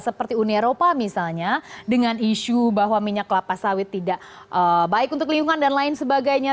seperti uni eropa misalnya dengan isu bahwa minyak kelapa sawit tidak baik untuk lingkungan dan lain sebagainya